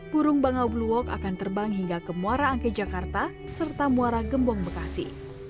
burung bangau blue walk akan terbang hingga ke muara angke jakarta serta muara gembong bekasi